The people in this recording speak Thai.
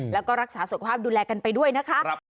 แล้วก็รักษาสุขภาพดูแลกันไปด้วยนะคะ